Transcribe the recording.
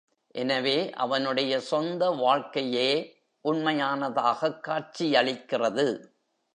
எனவே, அவனுடைய சொந்த வாழ்க்கையே உண்மையானதாகக் காட்சியளிக்கிறது.